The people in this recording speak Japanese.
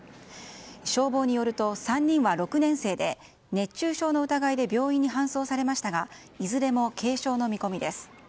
消防によると、３人は６年生で熱中症の疑いで病院に搬送されましたがいずれも軽症の見込みです。